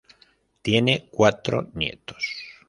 Tiene cuatro nietos.